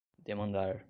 demandar